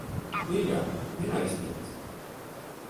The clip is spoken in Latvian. Mīļā, neaiztiec.